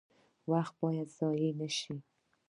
وخت باید ضایع نشي